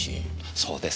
そうですか。